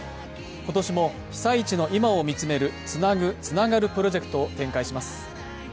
今年も被災地の今を見つめる「つなぐ、つながる」プロジェクトを展開します。